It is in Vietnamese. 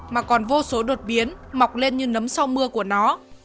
mà còn vô số đột biến mọc lên như nấm sau mưa của nó